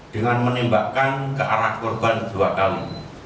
dengan menembakkan ke arah korban dua kali